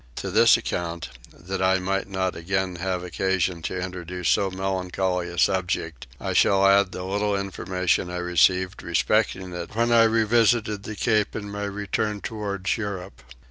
To this account, that I may not again have occasion to introduce so melancholy a subject, I shall add the little information I received respecting it when I revisited the Cape in my return towards Europe.